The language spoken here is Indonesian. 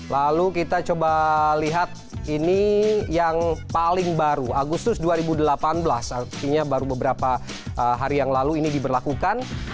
lalu kita coba lihat ini yang paling baru agustus dua ribu delapan belas artinya baru beberapa hari yang lalu ini diberlakukan